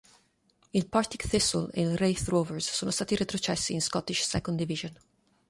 Il Partick Thistle e il Raith Rovers sono stati retrocessi in Scottish Second Division.